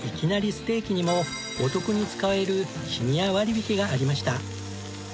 ステーキにもお得に使えるシニア割引がありました。